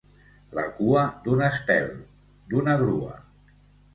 La cua d'un estel, d'una grua.